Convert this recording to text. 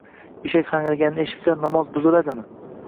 Eshak hangraganini eshitsa, namoz buziladimi?